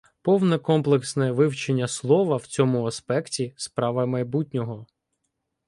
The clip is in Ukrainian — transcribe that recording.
Повне комплексне вивчення "Слова" в цьому аспекті — справа майбутнього.